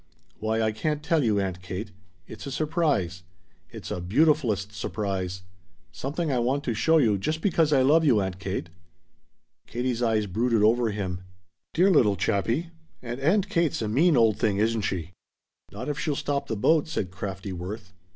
"Why I can't tell you, Aunt Kate. It's a surprise. It's a beautifulest surprise. Something I want to show you just because I love you, Aunt Kate." Katie's eyes brooded over him. "Dear little chappie, and Aunt Kate's a cross mean old thing, isn't she?" "Not if she'll stop the boat," said crafty Worth.